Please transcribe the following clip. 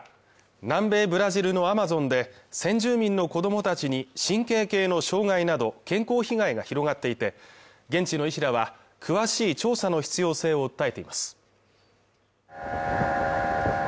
南米ブラジルのアマゾンで先住民の子供たちに神経系の障害など健康被害が広がっていて現地の医師らは詳しい調査の必要性を訴えています